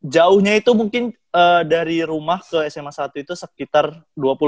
jauhnya itu mungkin dari rumah ke sma satu itu sekitar dua puluh